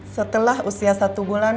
setelah usia satu bulan